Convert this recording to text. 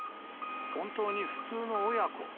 本当に普通の親子。